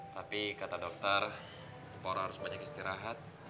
tapi kata dokter poro harus banyak istirahat